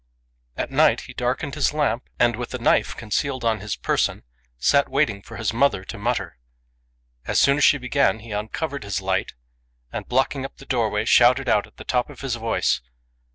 At night her son darkened his lamp, and, with a knife concealed on his person, sat waiting for his mother to mutter. As soon as she began he uncovered his light, and, blocking up the doorway, shouted out at the top of his voice.